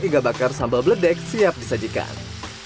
iga bakar sambal bledek siap disajikan